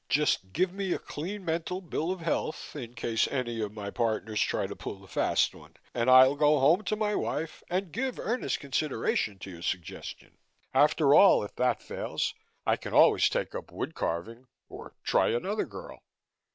Just give me a clean mental bill of health in case any of my partners try to pull a fast one and I'll go home to my wife and give earnest consideration to your suggestion. After all, if that fails, I can always take up wood carving. Or try another girl."